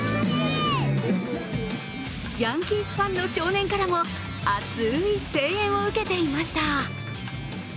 ヤンキースファンの少年からも熱い声援を受けていました。